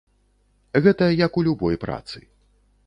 Гэта як у любой працы.